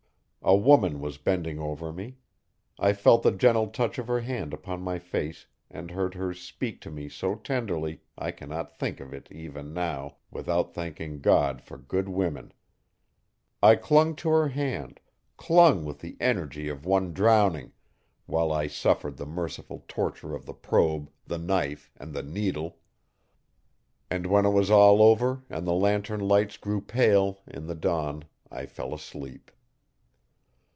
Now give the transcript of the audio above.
A woman was bending over me. I felt the gentle touch of her hand upon my face and heard her speak to me so tenderly I cannot think of it, even now, without thanking God for good women. I clung to her hand, clung with the energy of one drowning, while I suffered the merciful torture of the probe, the knife and the needle. And when it was all over and the lantern lights grew pale in the dawn I fell asleep.